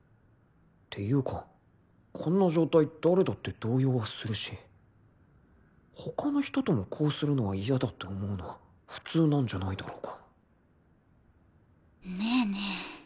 っていうかこんな状態誰だって動揺はするし他の人ともこうするのは嫌だって思うのは普通なんじゃないだろうかねえねえ。